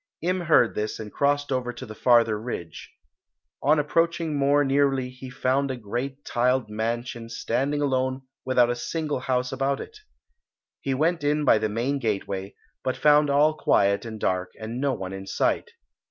Im heard this and crossed over to the farther ridge. On approaching more nearly he found a great tiled mansion standing alone without a single house about it. He went in by the main gateway, but found all quiet and dark and no one in sight.